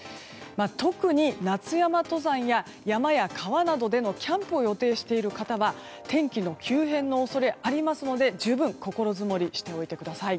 特に夏山登山や、山や川でのキャンプを予定している方は天気の急変の恐れがありますので十分、心づもりしておいてください。